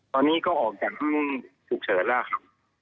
ตอนนี้ก็ออกจากศูกเฉินแล้วค่ะ